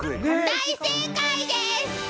大正解です！